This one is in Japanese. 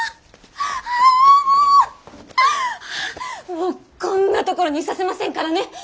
もうこんなところにいさせませんからね。